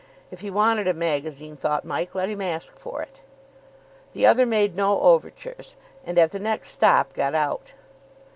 If he wanted a magazine, thought Mike, let him ask for it. The other made no overtures, and at the next stop got out.